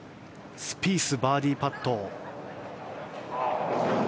スピース、バーディーパット。